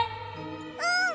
うん！